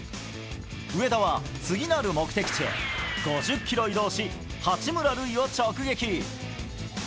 上田は次なる目的地へ、５０キロ移動し、八村塁を直撃。